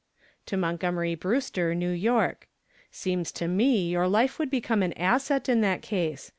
To MONTGOMERY BREWSTER, New York. Seems to me your life would become an asset in that case.